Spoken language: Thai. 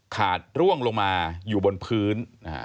กร่วงลงมาอยู่บนพื้น